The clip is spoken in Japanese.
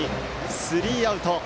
スリーアウト。